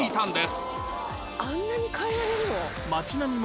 「あんなに変えられるの？」